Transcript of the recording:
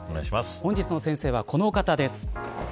本日の先生は、このお方です。